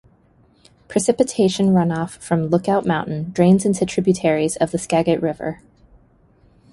Precipitation runoff from Lookout Mountain drains into tributaries of the Skagit River.